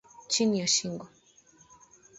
chini ya shingo